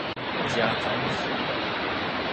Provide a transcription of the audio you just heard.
加在一起用